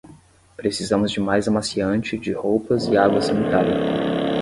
Precisamos de mais amaciante de roupas e água sanitária